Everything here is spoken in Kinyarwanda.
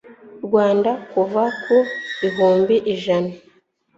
rwanda kuva ku bihumbi ijana